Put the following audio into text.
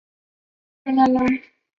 树形结构是一层次的嵌套结构。